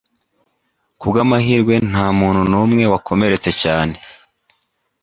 Ku bw'amahirwe nta muntu numwe wakomeretse cyane